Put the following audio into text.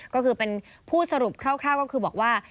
ก็คือเป็นผู้สรุปคร่าวก็คือบอกว่า